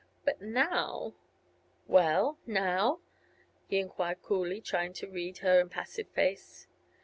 But now " "Well, now?" he enquired coolly, trying to read her impassive face.